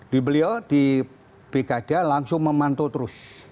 di beliau di pilkada langsung memantau terus